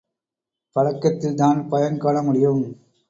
பழக்கத்தில்தான் பயன் காணமுடியும்.